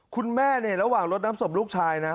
คุณแม่เนี่ยระหว่างรถน้ำศพลูกชายนะ